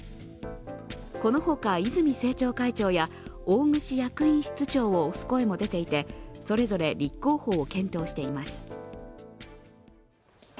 このほか、泉政調会長や大串役員室長を推す声も出ていてそれぞれ立候補を検討しています。